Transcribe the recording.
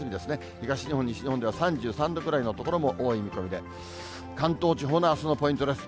東日本、西日本では３３度くらいの所も多い見込みで、関東地方のあすのポイントです。